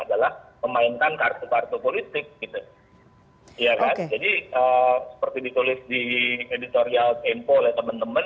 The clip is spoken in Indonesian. adalah memainkan kartu kartu politik gitu jadi seperti ditulis di editorial tempo oleh temen temen